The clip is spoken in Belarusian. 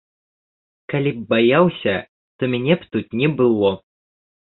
Калі б баяўся, то мяне б тут не было.